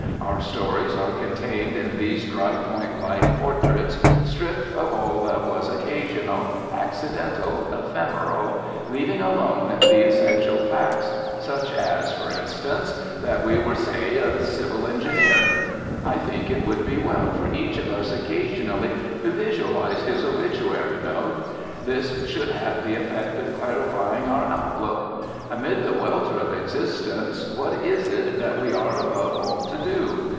Our stories are contained in these dry point like portraits stript of all that was occasional, accidental, ephemeral, leaving alone the essential facts, such as, for instance, that we were, say, a civil engineer. I think it would be well for each of us occasionally to visualise his obituary "note." This should have the effect of clarifying our outlook. Amid the welter of existence what is it that we are above all to do?